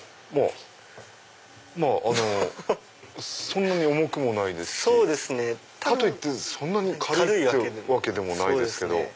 そんなに重くもないですしかといってそんなに軽いってわけでもないですけど。